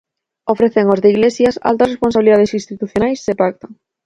Ofrece aos de Iglesias altas responsabilidades institucionais se pactan.